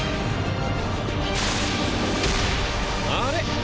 あれ？